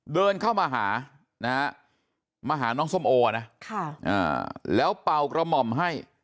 เดินเข้ามาหานะฮะมาหาน้องส้มโอนะแล้วเป่ากระหม่อมให้